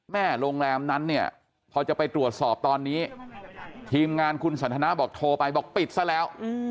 โรงแรมนั้นเนี่ยพอจะไปตรวจสอบตอนนี้ทีมงานคุณสันทนาบอกโทรไปบอกปิดซะแล้ว